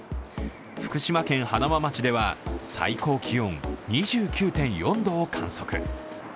福島県塙町では最高気温２９．４度を観測。